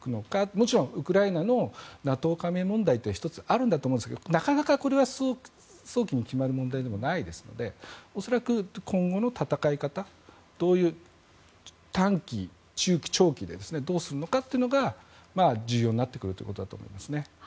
もちろんウクライナのＮＡＴＯ加盟問題も１つあるんだと思うんですけどなかなか早期に決まる問題でもないですので恐らく、今後の戦い方短期、中期、長期でどうするのかというのが重要になってくるということだと思います。